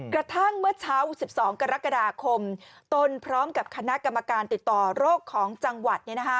กระทั่งเมื่อเช้า๑๒กรกฎาคมตนพร้อมกับคณะกรรมการติดต่อโรคของจังหวัด